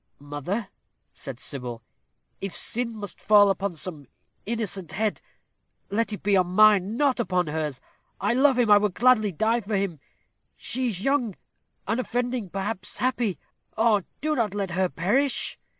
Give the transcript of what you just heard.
"Mother," said Sybil, "if sin must fall upon some innocent head, let it be on mine not upon hers. I love him, I would gladly die for him. She is young unoffending perhaps happy. Oh! do not let her perish."